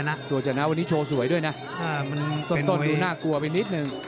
แล้ววันนี้โชว์สวยด้วยนะต้นดูน่ากลัวไปนิดนึง